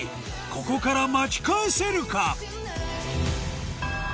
ここから巻き返せるか？